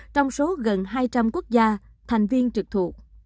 trong số gần hai trăm linh quốc gia thành viên trực thuộc